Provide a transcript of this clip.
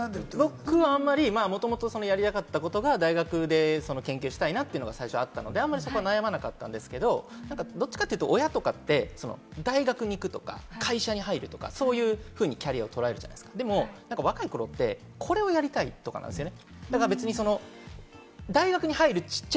僕はもともとやりたかったことが大学で研究したいなというのが最初あったのであまり悩まなかったんですけれども、どっちかというと親とかって大学に行くとか会社に入るとか、そういうふうにキャリアをとらえるじゃないですかでも若い頃って、これをやりたいとかなんですよね。